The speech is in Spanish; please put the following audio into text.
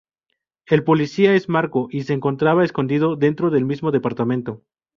El policía es Marco y se encontraba escondido dentro del mismo departamento.